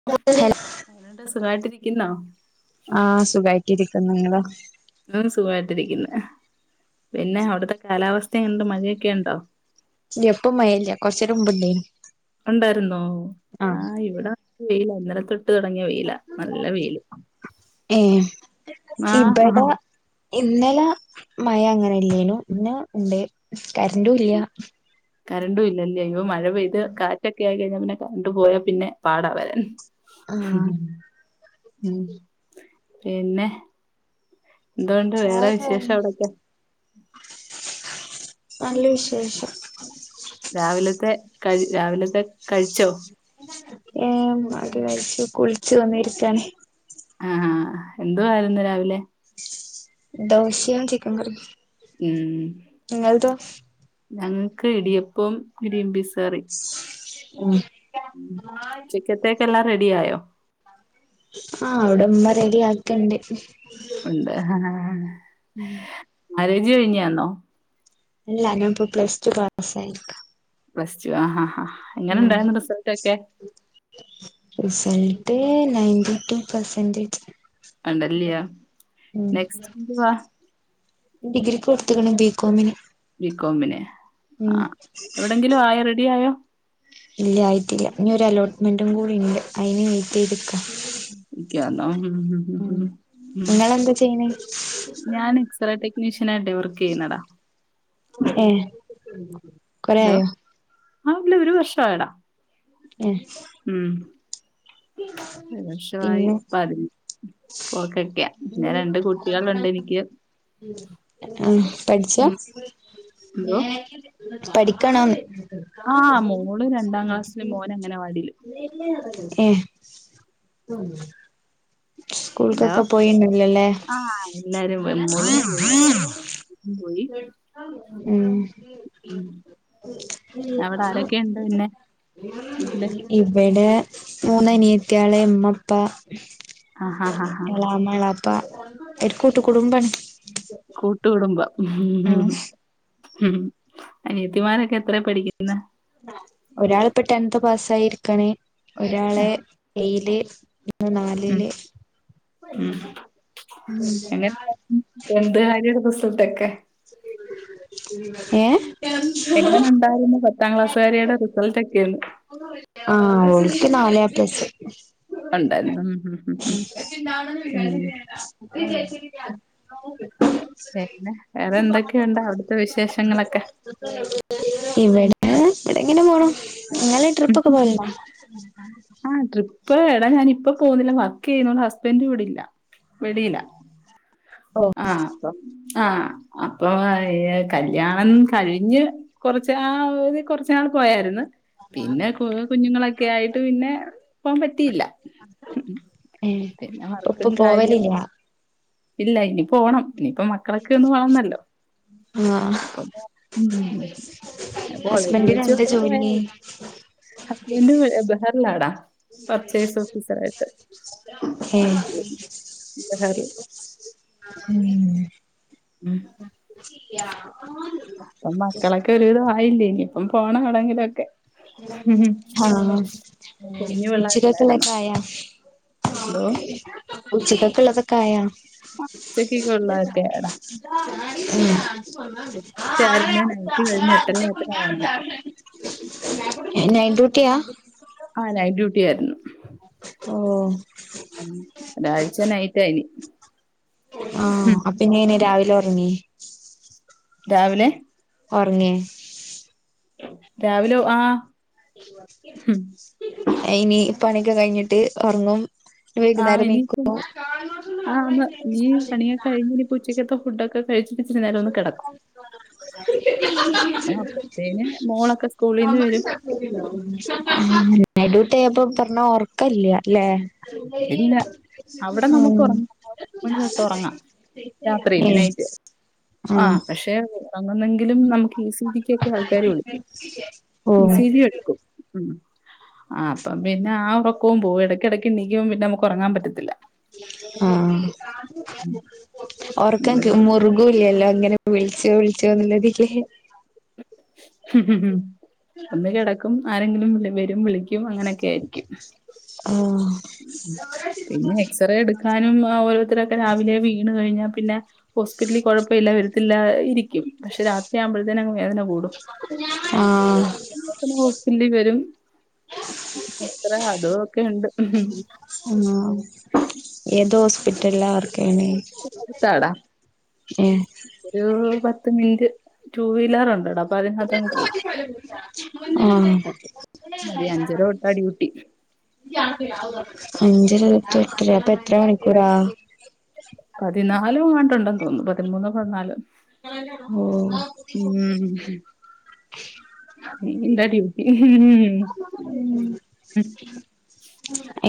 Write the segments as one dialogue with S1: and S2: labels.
S1: [inaudible]
S2: [unintelligible] സുഖമായിട്ടിരിക്കുന്ന
S1: ആഹ് സുഖമായിട്ടിരിക്കുന്നു നിങ്ങളോ
S2: സുഖായിട്ടിരിക്കുന്നു പിന്നെ അവിടുത്തെ കാലാവസ്ഥയുണ്ട് മഴയൊക്കെ ഉണ്ടോ
S1: ഇപ്പ മഴല്ല കൊറച്ചേരമുമ്പ്ണ്ടനും
S2: ഉണ്ടായിരുന്നോ ആഹ് ഇവിടെ വെയില അന്നരത്തെ ഇട്ട് തുടങ്ങിയ വെയിലാ നല്ല വെയില്
S1: ഏ
S2: ആ
S1: ഇവിടെ ഇന്നലെ മഴ അങ്ങനെ ഇല്ലേനു ഇന്ന് ഉണ്ട് കരണ്ടു ഇല്ല
S2: കറണ്ടും ഇല്ലല്ലേ ഇ മഴ പെയ്ത് കാറ്റൊക്കെ ആയി കഴിഞ്ഞാൽ പിന്നെ കറണ്ടു പോയാൽ പിന്നെ പാടാ വരാൻ
S1: ആഹ്
S2: ഉം പിന്നെ എന്തോണ്ട് വേറെ
S1: ചായൊക്കെ കഴിഞ്ഞോ?
S2: വിശേഷം അവിടൊക്കെ
S1: നല്ല വിശേ
S2: രാവിലത്തെ കഴി രാവിലത്തെ കഴിച്ചോ
S1: ഏ അടി കഴിച്ചു കുളിച്ചു വന്നി ഇരിക്കാന
S2: ആഹാ എന്തു ആയിരുന്നു രാവിലെ
S1: ദോശയും ചിക്കൻ കറി
S2: ഉം ഞങ്ങക്ക് ഇടിയപ്പം ഗ്രീൻ പീസ് കറി
S1: ഉം
S2: ഉച്ചക്കത്തെ എല്ലാ റെഡി ആയോ
S1: ആഹ ഇവിടെമ്മ റെഡി ആക്കണ്ടേ
S2: ഉണ്ട്
S1: ഉം
S2: മാരേജ് കഴിഞ്ഞാന്നോ
S1: ഇല്ല ഞാൻ ഇപ്പൊ പ്ലസ്ടു പാസ്സായിരിക്ക
S2: പ്ലസ്ടു ആഹ് ആഹ് ആഹ്
S1: ഉം റിസൾട്ട് നയന്റീ ടു പെർസന്റേജ്
S2: അണ്ടല്ലിയാ നെക്സ്റ്റ് എന്തുവാ
S1: ഡിഗ്രിക്കു കൊടുത്തേക്കണു ബികോമിന്
S2: ബികോമിന്
S1: ഉം
S2: എങ്കിലും ആയൊ റെഡി ആയോ
S1: ഇല്ല ആയിട്ടില്ല ഇനിയൊരു അലോട്ട്മെന്റും കൂടിയുണ്ട് അയ്ന് വെയിറ്റ് ചെയ്തിക്കാ
S2: [unintelligible] ഉം
S1: നിങ്ങളെന്താ ചെയ്യണേ
S2: ഞാന് എക്സറേ ടെക്നീഷ്യനായിട്ടെ വർക്ക് ചെയ്യുന്നതാ
S1: ഏ കൊറേ
S2: ഹലോ
S1: ആയോ
S2: ആ ഇല്ല ഒരു വർഷായെടാ.
S1: യെസ്.
S2: ഉം ഒരുവർഷമായി
S1: പിന്നെ
S2: ഇപ്പതിൻ. പോക്കൊക്കെയാ പിന്നെ രണ്ടു കുട്ടികളുണ്ട് എനിക്ക്.
S1: ഉം ആ പഠിച്ച്യാ
S2: ഉം എന്തോ
S1: പഠിക്കാണോന്ന്.
S2: ആ മോള് രണ്ടാം ക്ലാസ്സിലും മോന് അംഗനവാടിയിലും.
S1: ഏ
S2: ഹലോ
S1: സ്കൂൾക്കൊക്കെ പോയിണ്ടാവില്ലല്ലേ
S2: ആ എല്ലാരുംപോയി മോളുംപോയി. പോയി.
S1: ഉം
S2: ഉം അവിടെ ആരൊക്കെയുണ്ട് പിന്നെ വീട്ടില്.
S1: ഇവിടെ മൂന്ന് അനിയത്തിയാള് ഉമ്മ ഉപ്പ.
S2: ആഹ് ആഹ് ആഹ്
S1: എളാമ്മ എളാപ്പ ഒരു കൂട്ടുകുടുംബാണ്.
S2: കൂട്ടുകുടുംബം.
S1: ഉം
S2: ഉം അനിയത്തിമാരൊക്കെ എത്രായാ പഠിക്കുന്നേ.
S1: ഒരാളിപ്പം ടെൻത് പാസ്സായി ഇരിക്യാണ് ഒരാള് എയില്.
S2: ഉം
S1: നാലില്.
S2: ഉം എങ്ങനൊണ്ട് ടെൻതുകാരിയുടെ റിസൾട്ടൊക്കെ
S1: ഏ
S2: എങ്ങനൊണ്ടായിരുന്നു പത്താം ക്ലാസുകാരിയുടെ റിസൾട്ടൊക്കേന്ന്.
S1: ആ ഓൾക്ക് നാല് എ പ്ലസ്.
S2: ഉണ്ടായിരുന്നു ഉം ഉം ഉം ഉം ഉം
S1: [unintelligible]
S2: പിന്നെ വേറെ എന്തൊക്കെയുണ്ട് അവിടുത്തെ വിശേഷങ്ങളൊക്കെ?
S1: [unintelligible] ഇവിടെ ഇവിടിങ്ങനെ പോണു നിങ്ങള് ട്രിപ്പൊക്കെ പോയിരുന്നോ. [unintelligible]
S2: ആ ട്രിപ്പ് എടാ ഞാൻ ഇപ്പം പോകുന്നില്ല വർക്ക് ചെയ്യുന്നോണ്ട് ഹസ്ബൻഡ് ഇവിടില്ല. ഇവിടെയില്ലാ ആ ആ അപ്പം കല്യാണം കഴിഞ്ഞ്. കൊറച്ച്നാളൂതി കൊറച്ചു നാള് പോയായിരുന്നു പിന്നെ കുഞ്ഞുങ്ങളൊക്കെയായി ട്ട് പിന്നെ പോവാൻ പറ്റിയില്ല.
S1: ഏ
S2: പിന്നെ വർക്കും
S1: ഇപ്പൊ
S2: കാര്യേം
S1: പോവലില്ല
S2: ഇല്ല ഇനി പോണം ഇനിയിപ്പോ മക്കളൊക്കെ ഒന്ന് വളർന്നല്ലോ
S1: ആഹ്
S2: അപ്പൊ. ഉം കോളേജി
S1: ഹസ്ബൻഡിന് എന്താ
S2: വെച്ചൊക്കെ
S1: ജോലി
S2: പോയാരുന്നു. Husband ബഹറിലാടാ purchase ഓഫീസറായിട്ട്.
S1: ഏ
S2: വർക്ക് ബഹറില്.
S1: ഉം.
S2: ഉം.
S1: [unintelligible]
S2: ഇപ്പം മക്കളൊക്കെ ഒരു വിധം ആയില്ലേ ഇനി ഇപ്പം പോണം എവിടെങ്കിലുമൊക്കെ.
S1: ഹാ
S2: കുഞ്ഞു
S1: ഉച്ചക്കക്കുള്ള
S2: പിള്ളേരല്ലായിരുന്നോ
S1: ഒക്കെ ആയാ?
S2: എന്തോ
S1: ഉച്ചക്കൊക്കെ ഉള്ളതൊക്കെ ആയാ.
S2: ഉച്ചക്കൊക്കെ ഉള്ളതൊക്കെയാടാ
S1: മ്.
S2: റ്റായിരുന്നു നൈറ്റ് കഴിഞ്ഞ് എട്ടര ആയപ്പഴാ വന്നേ.
S1: നൈറ്റ് ഡ്യൂട്ടിയാ.
S2: ആഹ് നൈറ്റ് ഡ്യൂട്ടി ആയിരുന്നു.
S1: ഓഹ്
S2: ഒരാഴ്ച നൈറ്റായിനി.
S1: ആഹ് അപ്പം ഇനി യെങ്ങനെ രാവിലെ ഒറങ്ങി.
S2: രാവിലെ
S1: ഒർങ്ങെ
S2: രാവിലെ ഒ ആഹ്
S1: ഇനി പണിയൊക്കെ കഴിഞ്ഞിട്ട് ഒർങ്ങും
S2: ആഹ് ഇനിപ്പം ആന്ന് ഇനീ പണിയൊക്കെ കഴിഞ്ഞിനി ഉച്ചക്കത്തെ ഫുഡൊക്കെ കഴിച്ചിട്ടി ഇച്ചിരി നേര ഒന്ന് കെടക്കും. അപ്പഴ്ത്തേന് മോളൊക്കെ സ്കൂളീന്ന് വരും
S1: ഉം നൈറ്റ് ഡ്യൂട്ടിയായാ പ്പം പർഞ്ഞ ഒർക്കല്ല്യ ല്ലേ
S2: ഇല്ല അവിടെ
S1: ഉം
S2: നമുക്ക് ഉറങ്ങാം മണി തൊട്ട്
S1: ഏഹ്
S2: ആഹ് പക്ഷെ അങ്ങന്നെങ്കിലും നമുക്ക് പി സി ജിക്കക്കെ ആൾക്കാരെ വിളിക്കും.
S1: ഓ
S2: പി സി ജി എട്ക്കും ഉം ആ അപ്പം പിന്നെ ആ ഒറക്കവും പോവും എടക്കെട ക്ക് ണീക്കുമ്പം പിന്നെ നമുക്കൊറങ്ങാൻ പറ്റത്തില്ല
S1: ആഹ്
S2: ഉം
S1: ഒറക്കം
S2: അങ്ങനെ
S1: ക് മുറു കൂല്യല്ലോ ഇങ്ങനെ വിളിച്ചോ വിളിച്ചോന്നുള്ള തില്
S2: ഒന്ന് കിടക്കും ആരെങ്കിലും വരും വിളിക്കും അങ്ങനെയൊക്കെ ആയിരിക്കും
S1: ആഹ്
S2: പിന്നെ എക്സ്റേ എടുക്കാനും ഓരോരുത്തരൊക്കെ രാവിലെ വീണ് കഴിഞ്ഞാ പിന്നെ ഹോസ്പിറ്റലി കുഴപ്പ ഇല്ല വരത്തില്ല ഇരി ക്കും പക്ഷെ രാത്രിയാവുമ്പോഴത്തേന് അങ്ങ് വേദന കൂടും
S1: ആഹ്
S2: പിന്നെ ഹോസ്പിറ്റലിൽ വരും അത്ര അതും ഒക്കെ ഉണ്ട്
S1: ആഹ് ഏതൊസ്പിറ്റൽലാ വർക്കെയ്യ്ണെ?
S2: അടുത്താടാ. ഒരു പത്ത് മിനിറ്റ് ടുവീലർ ഉണ്ടടാ അപ്പ അതിനകത്തങ്ങ് പോവും. അതി അഞ്ചര തൊട്ടാ
S1: ആഹ്
S2: ഡ്യൂട്ടി
S1: അഞ്ചര തൊട്ട് എട്ടരെ. അപ്പൊ എത്ര മണിക്കൂറാ?
S2: പതിനാലും അങ്ങാട്ടുണ്ടന്ന് തോന്നുന്നു പതിമൂന്നൊ പതിനാലൊ
S1: ഓഹ്
S2: ഇൻ്റെ ഡ്യൂട്ടി ഹ് മ്മ് മ്മ്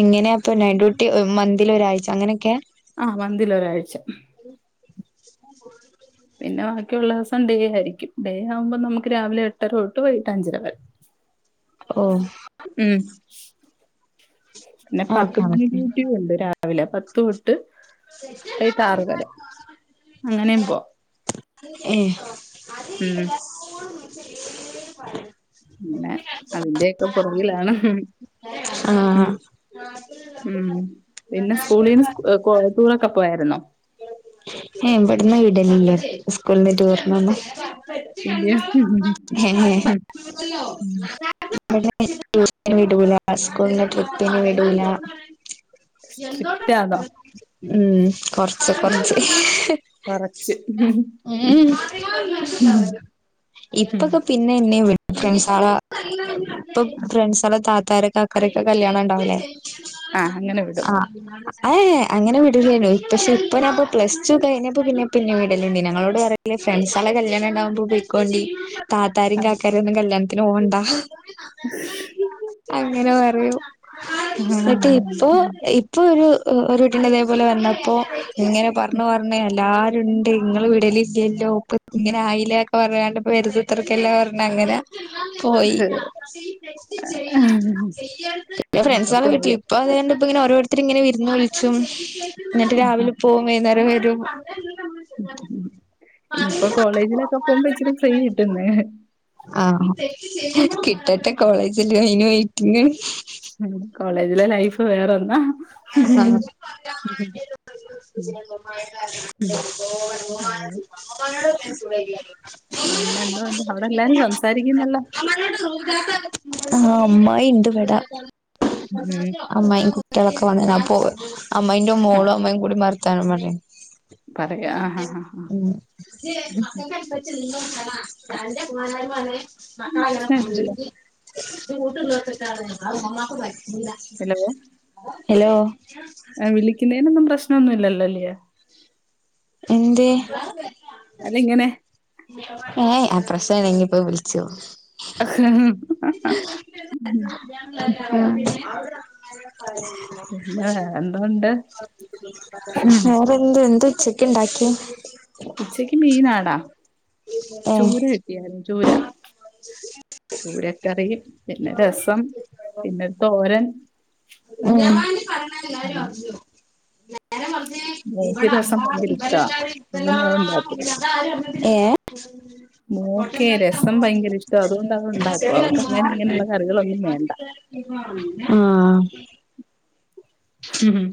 S1: എങ്ങനെയാ പ്പൊ ഡ്യൂട്ടി മന്തിൽ ഒരാഴ്ച അങ്ങനെയൊക്കെയാ
S2: ആഹ് മന്തിലൊരാഴ്ച പിന്നെ ബാക്കിയുള്ള ദിവസം ഡേ ആയിരിക്കും ഡേ ആവുമ്പം നമുക്ക് രാവിലെ എട്ടര തൊട്ട് വൈകിട്ട് അഞ്ചര വരെ
S1: ഓഹ്
S2: ഉം പിന്നെ
S1: ആ
S2: പത്തുമണി
S1: കണക്ക്
S2: ഡ്യൂട്ടിയു ഉണ്ട്. രാ വിലെ. പത്ത് തൊട്ട് വയികിട്ടാറ് വരെ അങ്ങനെയും പോവാ
S1: ഏഹ്
S2: ഉം അങ്ങനെ അതിന്റെ ഒക്കെ പുറകിലാണ്
S1: ആ
S2: ഉം ഉം പിന്നെ സ്കൂളീന്ന് സ് കൊ ടൂറൊക്കെ പോയായിര്ന്നോ?
S1: ഏഹ് ഇവട്ന്ന് വിടലില്ലോലെ സ്കൂൾന്ന് ടൂറിനൊന്നും
S2: ഇല്ല
S1: രണ്ടാള് [unintelligible] ഏഏഏ ഇവിടെ ടൂഷന് വിടുല സ്കൂളിന് ട്രിപ്പിന് വിടുല
S2: സ്ട്രിക്റ്റ് ആണോ
S1: എന്തോന്നാടാ ഉം കൊറച്ച [inaudible]
S2: ഉം കുറച്ച് ഉം
S1: ഇപ്പൊക്കെ പിന്നെ എന്നെ വീടു ഫ്രണ്ട്സാളെ ഇപ്പ ഫ്രണ്ട്സ ആളെ താത്താരൊക്കെ കറക്കെ കല്യാണം ഉണ്ടാവല്ലേ
S2: ആ അങ്ങനെ വിടും
S1: ആ അഏ അങ്ങനെ വീടുലെനി ഇ പക്ഷെ അപ്പ ഞാൻപ്പ പ്ലസ് ടു കഴിഞ്ഞപ്പോ പിന്നെ പിന്നെ വിടലുണ്ട് ഞങ്ങളോട് പറയൽ ഫ്രണ്ട്സാളെ കല്യാണം ഉണ്ടാവുമ്പോ പോയിക്കോണ്ടി താത്താരിം കാക്കാരിം ഒന്നും കല്യാണത്തിന് പോണ്ട അങ്ങനെ പറയും ആഹ്
S2: ഉം [unintelligible]
S1: ട്ട് ഇപ്പൊ ഇപ്പൊ ഒരു ഒരു കുട്ടിന്റെ ഇതേപോലെ വന്നപ്പോ ഇങ്ങനെ പറഞ്ഞു പറഞ്ഞ് എല്ലാ ഇണ്ടേ ഇങ്ങള് വിടലില്ലല്ലോ പ്പ ഇങ്ങനെ ആയില്ലേക്കെ പറഞ്ഞാണ്ട് ഇപ്പ വെറുതെത്രിക്കല്ലേ പറഞ് അങ്ങനെ പോയി
S2: ആ ഇപ്പൊ
S1: ഫ്രണ്ട്സാളെ വീട്ടില്
S2: കോളേ
S1: ഇപ്പൊ അത് കണ്ടപ്പോ ഇങ്ങനെ ഓരോരുത്തർ ഇങ്ങനെ വിരുന്നു വുളിച്ചും എന്നിട്ട്
S2: ആഹാ
S1: രാവിലെ വൈന്നാരം വരും
S2: ഞ് ഇപ്പോ കോളേജിലൊക്കെ പോകുമ്പോ ഇച്ചിരി ഫ്രീ കിട്ടുന്നെ
S1: ആഹ് കിട്ടട്ടെ കോളേജില് അയിന് വെയിറ്റിങ് ആണ്.
S2: കോളേജിലെ ലൈഫ് വേറൊന്നാ
S1: ആഹ് [inaudible] [unintelligible]
S2: പിന്നെ എന്തോണ്ട് അവിടെ എല്ലാരും സംസാരിക്കുന്നല്ലോ
S1: [unintelligible] ആ അമ്മായി ഇണ്ട് വടെ
S2: ഉം
S1: അമ്മായീം കുട്ട്യാളൊക്ക ഇപ്പൊ വന്നിന് അപ്പൊ അമ്മായിന്റെ
S2: ഉം
S1: മോളും അമ്മായീം കൂടി വർത്താനം പറയാ
S2: പറയാ ആഹാ ഹാ ഹാ
S1: ഉം [unintelligible] ജ്ന്തത്തമാ തന്റെ പോരായ്മ ആണ് മക്കളങ്ങനെ പോണത്
S2: പ്രശ്നല്ല
S1: ജ്ജ് റൂട്ട് ഇങ്ങട്ടതേക്കാരം അത് മ്മമ്മാക്ക് പറ്റൂല്ല
S2: ഹലോ
S1: ഹലോ
S2: ആഹ് വിളിക്കുന്നതിനൊന്നും പ്രശനൊന്നൂല്ലല്ലേ
S1: എന്തേ
S2: അല്ലങ്ങിനെ
S1: ഏ പ്രശ്നണ്ടക്കിപ്പോ വിളിച്ചോ
S2: [unintelligible]
S1: മ്മ് [unintelligible]
S2: പിന്നെ വേറെന്തോണ്ട്
S1: വേറെന്ത് എന്താ ഉച്ചക്ക് ഉണ്ടാക്ക്‌യേ
S2: ഉച്ചക്ക് മീനാടാ
S1: ഏഹ്
S2: ചൂര കിട്ടിയാര്ന്നു ചൂരാ ചൂരക്കറി പിന്നെ രസം, പിന്നെ തോരൻ, ആ
S1: ഉം
S2: മോക്ക് രസം
S1: ഏഹ്
S2: ഭയങ്കര ഇഷ്ടാ അപ്പൊ പിന്നെ
S1: [unintelligible]
S2: അതുണ്ടാക്കും
S1: [unintelligible]
S2: മോക്കേ രസം
S1: [unintelligible]
S2: ഭയങ്കര ഇഷ്ട അതുകൊണ്ട് അത് ഉണ്ടാക്കും അവക്ക്
S1: ആഹ്
S2: അങ്ങനെ ഇങ്ങനെയുള്ള കറികളൊന്നും വേണ്ട
S1: [unintelligible] [unintelligible]
S2: മ്, -ഹ് -ഹ്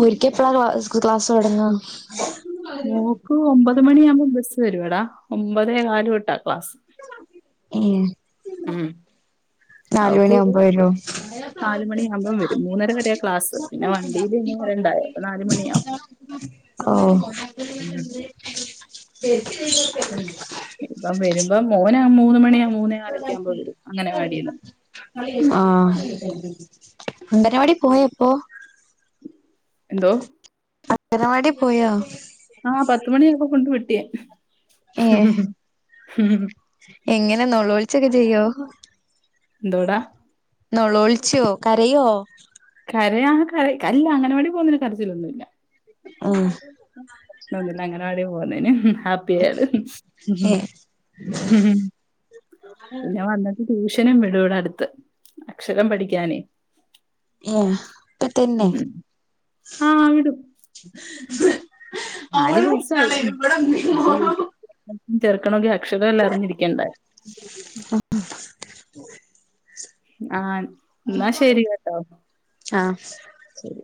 S1: ഓരിക്കപ്പഴാ ക്ലാസ് തുടങ്ങാ
S2: മോക്ക് ഒമ്പത് മണിയാവുമ്പം ബസ്സ് വരുവെടാ ഒമ്പതേ കാല് തൊട്ടാ ക്ലാസ്
S1: ഏഹ്
S2: ഉം.
S1: നാല്
S2: അവക്ക്
S1: മണി
S2: ഒരു
S1: ആവുമ്പവരും.
S2: നാല് മണിയാവുമ്പം വരും മൂന്നര വരെയ ക്ലാസ് പിന്നെ വണ്ടിയില് ഇരുന്ന് വരണ്ടായൊ അപ്പൊ നാല് മണിയാവും. ഉം
S1: ഓഹ്
S2: ഇപ്പം വരുമ്പോം മോന മൂന്ന് മണിയാ മൂന്നേ കാലൊക്കെ ആവുമ്പോ വരും അങ്ങനവാടി ന്ന് വാടിയില്ലന്ന്
S1: ആഹ് അങ്കരവാടി പോയോപ്പോ
S2: എന്തോ
S1: അംഗനവാടി പോയാോ
S2: ആ പത്തുമണിയായപ്പോ കൊണ്ട് വിട്ട്
S1: ഏ എങ്ങനെ നള്ളോഴിച്ചൊക്കെ ചെയ്യോ?
S2: എന്തോടാ
S1: നോള ഒളിച്ചോ കരയോ?
S2: കര ആ അല്ല അംഗനവാടി പോകുന്നതിന് കരച്ചിലൊന്നുമില്ല.
S1: ഉം
S2: പ്രശ്നൊന്നില്ല അംഗനാ വാടിയിൽ പോണതിന്. പേര് മ് ഹ്
S1: ഏ
S2: മ് ഹ് പിന്നെ വന്നിട്ട് ട്യൂഷനും വിടൂ ടാ അടുത്ത് അക്ഷരം പഠിക്കാനേ
S1: ഏ അപ്പൊ തന്നെ
S2: ഉം. ആ വിടും നാല്
S1: [unintelligible]
S2: ചെറുക്കണമെങ്കിൽ അക്ഷരമെല്ലാം അറിഞ്ഞിരിക്കേണ്ടേ.
S1: [unintelligible]
S2: ആ എന്നാ ശരികേട്ടോ
S1: ആഹ്
S2: ശരി.